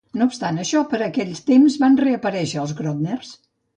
No obstant això, per aquell temps van reaparèixer els Grodners.